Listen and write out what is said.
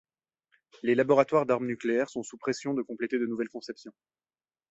Les laboratoires d'armes nucléaires sont sous pression de compléter de nouvelles conceptions.